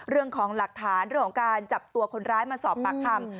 เรื่องของหลักฐานเรื่องของการจับตัวคนร้ายมาสอบปากคำ